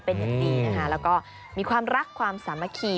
เป็นอย่างดีแล้วก็มีความรักความสามารถคีย์